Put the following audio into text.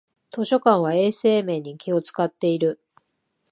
図書館は衛生面に気をつかっている